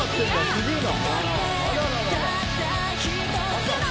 すげえな！